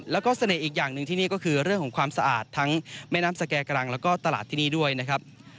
แล้วก็เสน่ห์อีกอย่างหนึ่งที่นี่ก็คือเรื่องของความสะอาดทั้งแม่น้ำสแก่กำลังแล้วก็ตลาดที่นี่ด้วยนะครับ